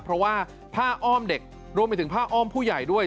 เพราะว่าผ้าอ้อมเด็กรวมไปถึงผ้าอ้อมผู้ใหญ่ด้วย